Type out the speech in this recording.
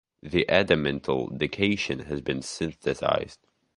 The adamantyl dication has been synthesized.